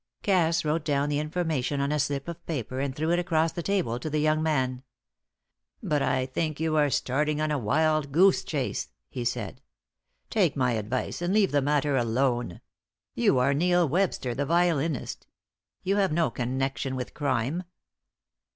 Cass wrote down the information on a slip of paper, and threw it across the table to the young man. "But I think you are starting on a wild goose chase," he said. "Take my advice, and leave the matter alone. You are Neil Webster, the violinist. You have no connection with crime!"